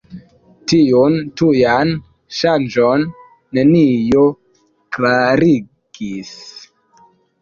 Tiun tujan ŝanĝon nenio klarigis.